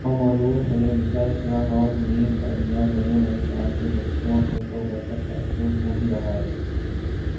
نومولود حضرت عیسی ؑ اور نیم عریاں مریم ؑ کے مجسموں سے تو برکت کا حصول ہو ہی رہا ہے